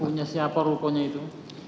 punya siapa rukunya itu